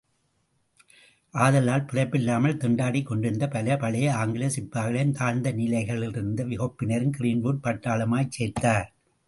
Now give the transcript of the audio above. ஆதலால் பிழைப்பில்லாமல் திண்டாடிக் கொண்டிருந்த பல பழைய ஆங்கில சிப்பாய்களையும், தாழ்ந்த நிலையிலிருந்த வகுப்பினரையும் கிரீன்வுட் பட்டாளமாகச் சேர்த்தார்.